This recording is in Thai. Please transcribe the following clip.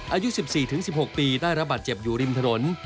อายุ๑๔๑๖ปีได้ระบาดเจ็บอยู่ริมถนน